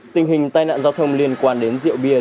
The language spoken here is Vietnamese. tình hình tai nạn giao thông liên quan đến rượu bia